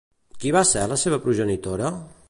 Qui va ser la seva progenitora?